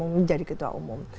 menjadi ketua umum